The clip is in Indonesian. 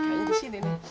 ini di sini nih